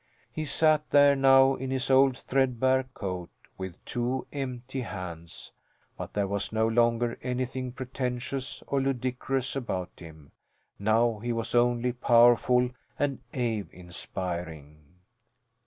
He sat there now in his old threadbare coat with two empty hands. But there was no longer anything pretentious or ludicrous about him; now he was only powerful and awe inspiring.